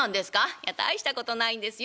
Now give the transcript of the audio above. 「いや大したことないんですよ。